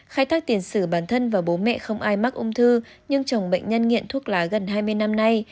khai thác tiền sử bản thân và bố mẹ không ai mắc ung thư nhưng chồng bệnh nhân nghiện thuốc lá gần hai mươi năm nay